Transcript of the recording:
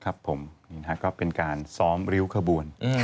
ครับผมนี่นะครับก็เป็นการซ้อมริ้วขบวน